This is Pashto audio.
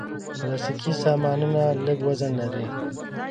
پلاستيکي سامانونه لږ وزن لري.